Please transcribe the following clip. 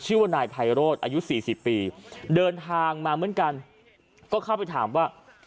ชื่อว่านายไพโรธอายุสี่สิบปีเดินทางมาเหมือนกันก็เข้าไปถามว่า